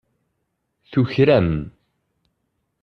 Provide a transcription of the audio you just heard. Tuker-am.